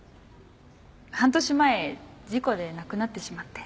半年前事故で亡くなってしまって。